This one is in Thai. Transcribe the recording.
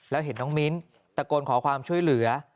แล้วเห็นน้องมิ้นตะโกนขอความช่วยเหลือ